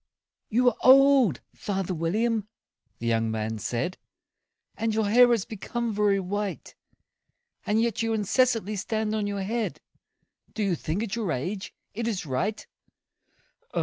"YOU are old, father William," the young man said, "And your hair has become very white; And yet you incessantly stand on your head Do you think, at your age, it is right?